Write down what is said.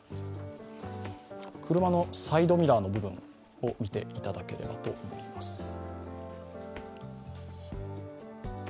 車のサイドミラーの部分を見ていただければと思います。